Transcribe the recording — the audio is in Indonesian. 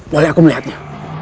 boleh aku melihatnya